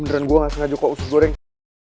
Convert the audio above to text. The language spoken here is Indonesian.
beneran gue gak sengaja kok usus goreng